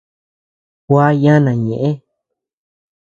Gua yana ñeʼë.